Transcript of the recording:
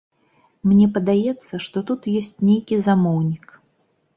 Мне падаецца, што тут ёсць нейкі замоўнік.